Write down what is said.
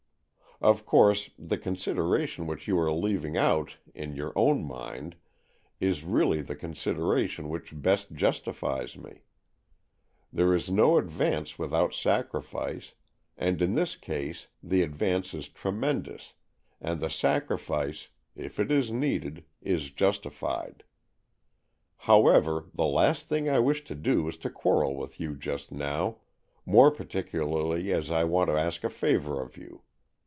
Of course, the con sideration which you are leaving out in your own mind, is really the consideration which best justifies me. There is no advance with AN EXCHANGE OF SOULS 77 out sacrifice, and in this case the advance is tremendous, and the sacrifice, if it is needed, is justified. However, the last thing I wish to do is to quarrel with you just now, more particularly as I want to ask a favour of you.